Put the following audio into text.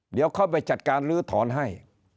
เดี๋ยวเข้าไปจัดการลื้อถอนให้